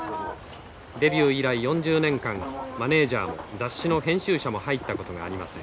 デビュー以来４０年間マネージャーも雑誌の編集者も入ったことがありません。